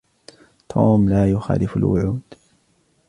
توم لا يخالف الوعود.